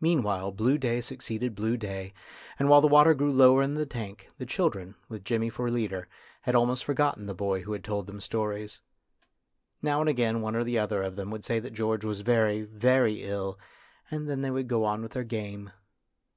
Meanwhile blue day succeeded blue day, and while the water grew lower in the tank, the children, with Jimmy for leader, had almost forgotten the boy who had told them stories. Now and again one or other of them would say that George was very, very ill, and then they would go on with their game.